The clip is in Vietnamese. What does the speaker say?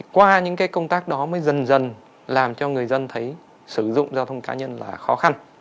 qua những công tác đó mới dần dần làm cho người dân thấy sử dụng giao thông cá nhân là khó khăn